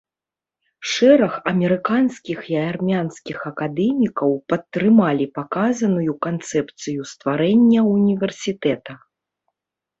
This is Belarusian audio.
Шэраг амерыканскіх і армянскіх акадэмікаў падтрымалі паказаную канцэпцыю стварэння ўніверсітэта.